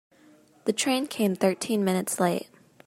The train came thirteen minutes late.